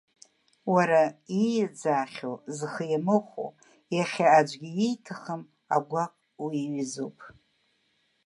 Уара, ииаӡаахьоу, зхы иамыхәо, иахьа аӡәгьы ииҭахым агәаҟ уиҩызоуп.